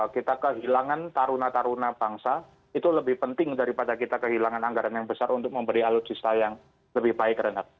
kita kehilangan taruna taruna bangsa itu lebih penting daripada kita kehilangan anggaran yang besar untuk memberi alutsista yang lebih baik renat